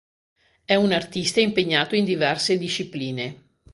È un artista impegnato in diverse discipline.